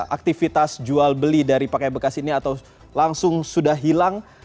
aktivitas jual beli dari pakai bekas ini atau langsung sudah hilang